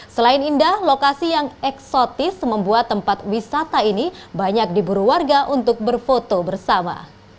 selain indah lokasi yang eksotis membuat tempat wisata ini banyak diburu warga untuk berfoto bersama